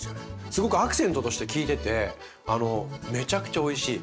すごくアクセントとして効いててめちゃくちゃおいしい。